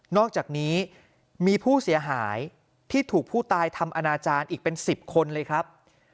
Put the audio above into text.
อกจากนี้มีผู้เสียหายที่ถูกผู้ตายทำอนาจารย์อีกเป็น๑๐คนเลยครับ